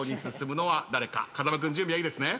風間君準備はいいですね？